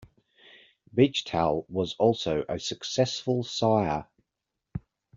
Beach Towel was also a successful sire.